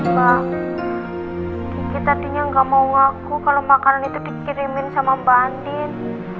mbak kiki tadinya gak mau ngaku kalo makanan itu dikirimin sama mbak andin